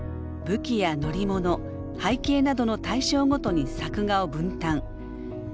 武器や乗り物背景などの対象ごとに作画を分担。